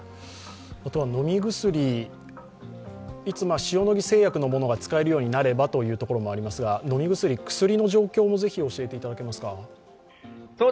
飲み薬、塩野義製薬のものが使えるようになればというところもありますが薬の状況もぜひ教えていただけますか？